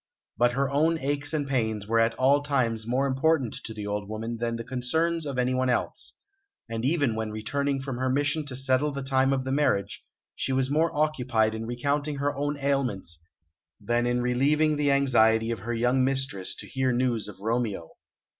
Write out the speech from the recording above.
But her own aches and pains were at all times more important to the old woman than the concerns of anyone else; and even when returning from her mission to settle the time of the marriage, she was more occupied in recounting her own ailments than in relieving the anxiety of her young mistress to hear news of Romeo.